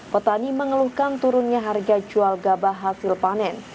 petani mengeluhkan turunnya harga jual gabah hasil panen